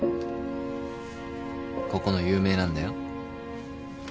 ここの有名なんだよ。